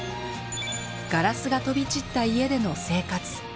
ガラスが飛び散った家での生活。